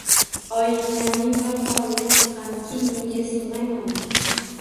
Oyiginamning tor qorniga siqqan keng uyiga sig‘maymanmi?